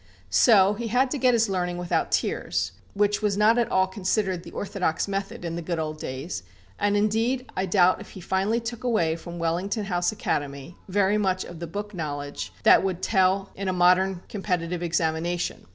So he had to get his learning without tears, which was not at all considered the orthodox method in the good old days; and, indeed, I doubt if he finally took away from Wellington House Academy very much of the book knowledge that would tell in a modern competitive examination.